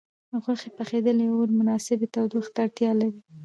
د غوښې پخېدل د اور مناسبې تودوخې ته اړتیا لري.